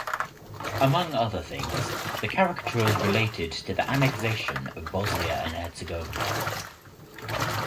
Among other things the caricatures related to the annexation of Bosnia and Herzegovina.